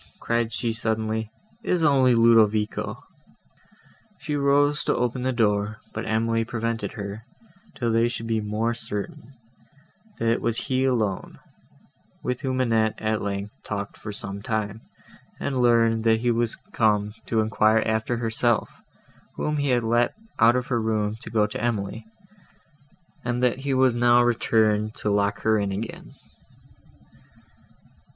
cried she suddenly, "it is only Ludovico." She rose to open the door, but Emily prevented her, till they should be more certain, that it was he alone; with whom Annette, at length, talked for some time, and learned, that he was come to enquire after herself, whom he had let out of her room to go to Emily, and that he was now returned to lock her in again.